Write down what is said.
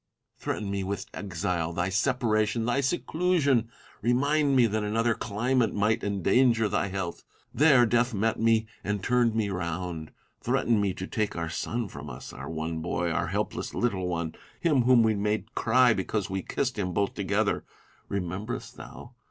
Threaten me with thy exile, thy separation, thy seclusion ! Hemind me that another climate might endanger 1 4 IMA GIN A R Y CON VERSA TIONS. thy health !— There death met me and turned me round. Threaten me to take our son from us — our one boy, our helpless little one — him whom we made cry because we kissed him both together ! Rememberest thou